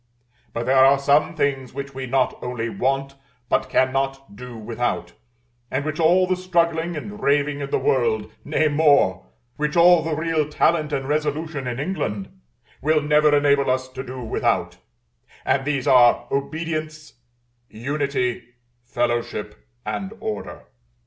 But there are some things which we not only want, but cannot do without; and which all the struggling and raving in the world, nay more, which all the real talent and resolution in England, will never enable us to do without: and these are Obedience, Unity, Fellowship, and Order.